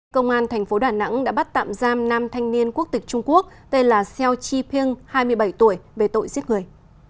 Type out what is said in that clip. công an thành phố đà nẵng đã bắt tạm giam nam thanh niên quốc tịch trung quốc tên là seo chi ping hai mươi bảy tuổi về tội giết người